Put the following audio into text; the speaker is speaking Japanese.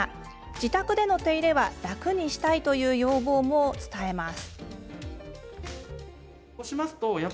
自宅でのお手入れは楽にしたいという要望も伝えます。